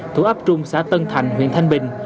thủ áp trung xã tân thành huyện thanh bình